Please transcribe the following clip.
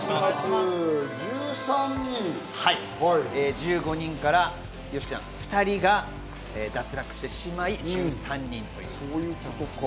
１５人からＹＯＳＨＩＫＩさん、２人が脱落してしまい、１３人ということですね。